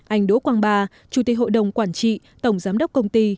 anh đỗ quang ba chủ tịch hội đồng quản trị tổng giám đốc công ty